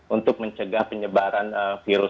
untuk mencegah penyebaran virus